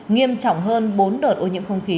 nghiêm trọng hơn bốn đợt ô nhiễm không khí